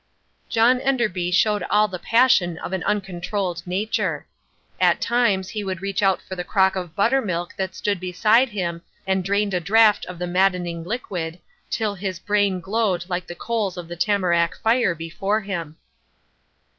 John Enderby showed all the passion of an uncontrolled nature. At times he would reach out for the crock of buttermilk that stood beside him and drained a draught of the maddening liquid, till his brain glowed like the coals of the tamarack fire before him.